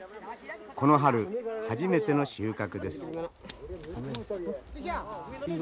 この春初めての収穫です。